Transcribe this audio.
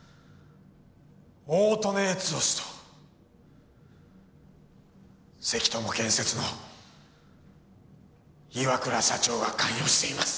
大利根悦男氏と積友建設の岩倉社長が関与しています。